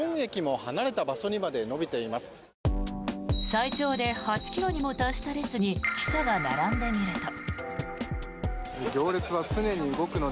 最長で８ｋｍにも達した列に記者が並んでみると。